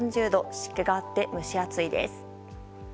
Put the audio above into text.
湿気があって蒸し暑いです。